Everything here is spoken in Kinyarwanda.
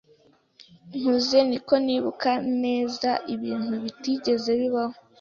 Nkuze, niko nibuka neza ibintu bitigeze bibaho.